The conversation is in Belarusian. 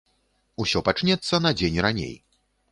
Усё пачнецца на дзень раней.